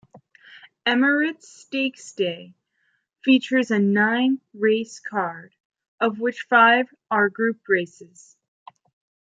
Emirates Stakes Day features a nine race card, of which five are group races.